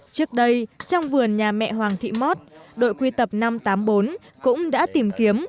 trước đây trong vườn nhà mẹ hoàng thị mót đội quy tập năm trăm tám mươi bốn cũng đã tìm kiếm